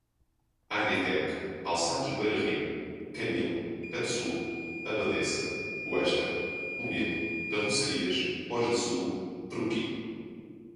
Agritech, Calçados Beira-Rio, Camil, Catsul, Abadessa, Coester, Comil, Carrocerias, Forjasul, Fruki